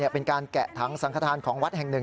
เป็นการแกะถังสังขทานของวัดแห่งหนึ่ง